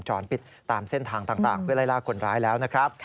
จรปิดตามเส้นทางต่างเพื่อไล่ล่าคนร้ายแล้วนะครับ